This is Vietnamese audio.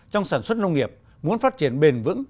trong sản xuất nông nghiệp muốn phát triển bền vững